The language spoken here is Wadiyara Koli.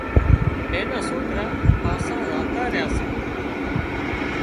اين سوڪرا پاسا زاتا ريا سي